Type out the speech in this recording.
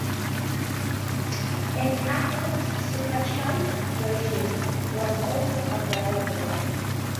An Arnott supercharged version was also available.